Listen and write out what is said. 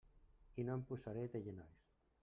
I no em posaré de genolls.